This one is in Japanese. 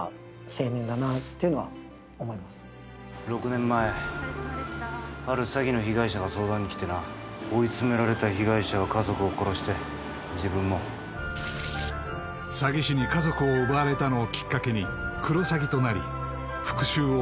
６年前ある詐欺の被害者が相談に来てな追い詰められた被害者は家族を殺して自分も詐欺師に家族を奪われたのをきっかけにクロサギとなり復讐を生きる目的とした黒崎